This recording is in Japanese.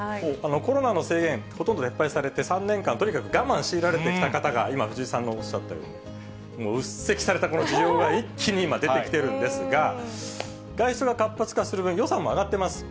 コロナの制限、ほとんど撤廃されて、３年間、とにかく我慢強いられてきた方が今、藤井さんがおっしゃったように、もううっせきされたこの需要が一気に出てきてるんですが、外出が活発化する分、予算も上がってます。